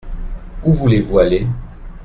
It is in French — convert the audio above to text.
Où voulez-vous aller ?